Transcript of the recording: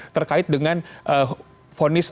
terkait dengan fondasi